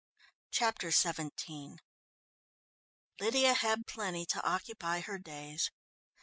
Chapter XVII Lydia had plenty to occupy her days.